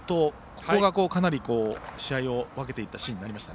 ここがかなり試合を分けていったシーンになりました。